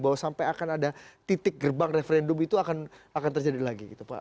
bahwa sampai akan ada titik gerbang referendum itu akan terjadi lagi gitu pak